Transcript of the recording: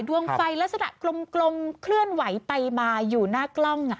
ดวงไฟลักษณะกลมเคลื่อนไหวไปมาอยู่หน้ากล้อง